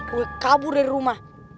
gue kabur dari rumah